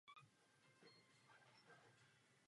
Motor umístěn uprostřed pohání zadní kola.